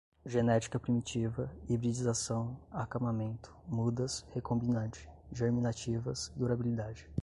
genética primitiva, hibridização, acamamento, mudas, recombinante, germinativas, durabilidade